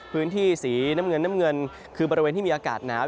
พื้นที่สีน้ำเงินน้ำเงินคือบริเวณที่มีอากาศหนาว